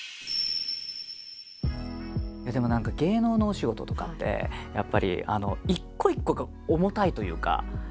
でも何か芸能のお仕事とかってやっぱり一個一個が重たいというか。